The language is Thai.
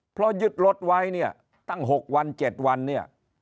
เพราะยึดรถไว้เนี่ยตั้ง๖วัน๗วันเนี่ย